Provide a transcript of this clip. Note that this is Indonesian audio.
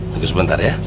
tunggu sebentar ya